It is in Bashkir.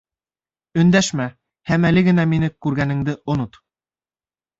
Өндәшмә, һәм әле генә мине күргәнеңде онот.